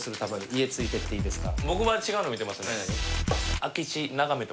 『家、ついて行ってイイですか？』。